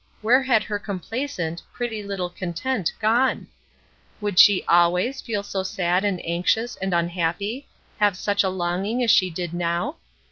Where had her complacent, pretty little content gone? Would she always feel so sad and anxious and unhappy, have such a longing as she did now?